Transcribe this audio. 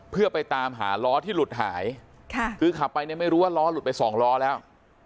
เพื่อไปตามหาล้อที่หลุดหายค่ะคือขับไปเนี่ยไม่รู้ว่าล้อหลุดไปสองล้อแล้ว